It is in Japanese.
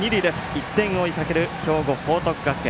１点を追いかける兵庫、報徳学園。